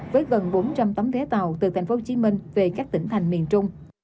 với gần bốn trăm linh tấm vé tàu từ tp hcm về các tỉnh thành miền trung